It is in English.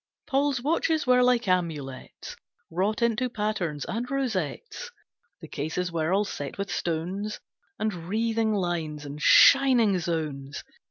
Paul's watches were like amulets, Wrought into patterns and rosettes; The cases were all set with stones, And wreathing lines, and shining zones.